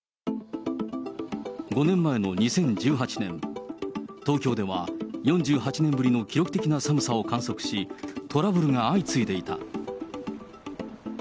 ５年前の２０１８年、東京では４８年ぶりの記録的な寒さを観測し、トラブルが相次いでいた。